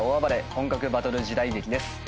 本格バトル時代劇です。